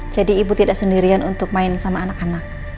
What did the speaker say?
jadi ibu tidak sendirian untuk main sama anak anak